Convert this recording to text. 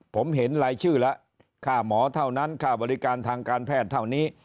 ผมเห็นรายชื่อแล้วค่าหมอเท่านั้นค่าบริการทางการแพทย์เท่านี้